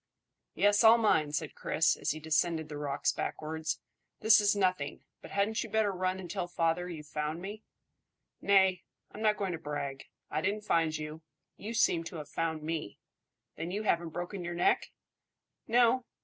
"Yes, I'll mind," said Chris, as he descended the rocks backwards. "This is nothing; but hadn't you better run and tell father you've found me?" "Nay! I'm not going to brag. I didn't find you; you seem to have found me. Then you haven't broken your neck?" "No."